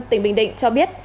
tỉnh bình định cho biết